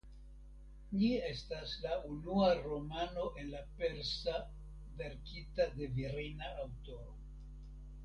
Ĝi estas la unua romano en la persa verkita de virina aŭtoro.